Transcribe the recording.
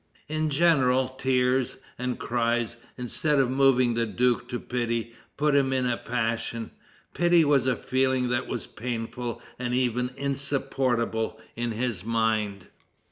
In general, tears and cries, instead of moving the duke to pity, put him in a passion. Pity was a feeling that was painful and even insupportable in his mind."